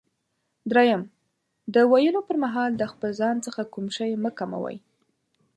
دریم: د ویلو پر مهال د خپل ځان څخه کوم شی مه کموئ.